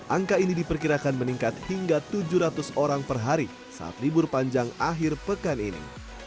angka ini diperkirakan meningkat hingga tujuh ratus orang per hari saat libur panjang akhir pekan ini